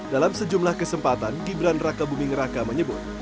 dalam sejumlah kesempatan gibran raka buming raka menyebut